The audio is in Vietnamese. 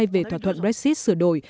về thỏa thuận brexit sửa đổi